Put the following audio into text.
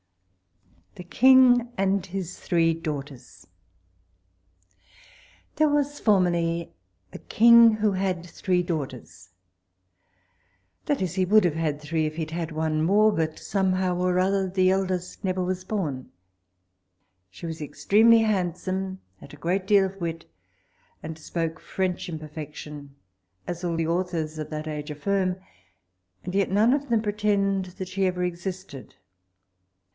The King and his three Daughters. There was formerly a king, who had three daughters that is, he would have had three, if he had had one more, but some how or other the eldest never was born. She was extremely handsome, had a great deal of wit, and spoke French in perfection, as all the authors of that age affirm, and yet none of them pretend that she ever existed.